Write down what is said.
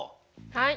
はい！